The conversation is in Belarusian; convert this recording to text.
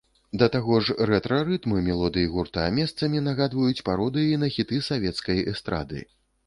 Да таго ж, рэтра-рытмы мелодый гурта месцамі нагадваць пародыі на хіты савецкай эстрады.